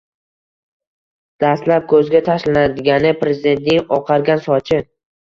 Dastlab ko‘zga tashlanadigani — Prezidentning oqargan sochi.